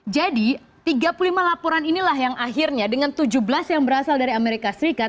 jadi tiga puluh lima laporan inilah yang akhirnya dengan tujuh belas yang berasal dari amerika serikat